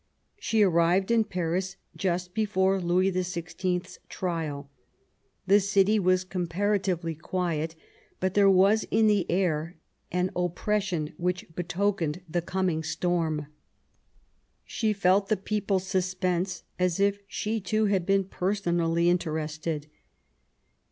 She arrived in Paris just before Louis XVI/s trial. The city was comparatively quiet, but there was in the air an oppression which betokened the coming storm. She felt the people's suspense as if she, too, had been personally interested.